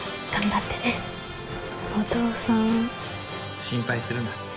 心配するな。